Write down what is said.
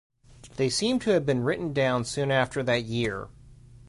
They seem to have been written down soon after that year.